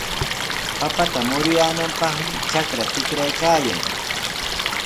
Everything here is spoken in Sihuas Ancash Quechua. Papata muruyaananpaqmi trakrta tikraykaayan.